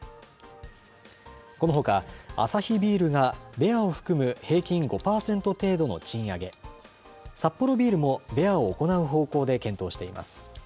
このほかアサヒビールがベアを含む平均５％程度の賃上げ、サッポロビールもベアを行う方向で検討しています。